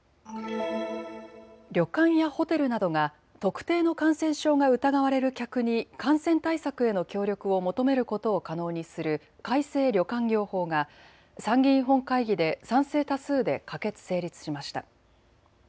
旅館やホテルなどが特定の感染症が疑われる客に感染対策への協力を求めることを可能にする改正旅館業法が参議院本会議で賛成多数で可決・成立しました。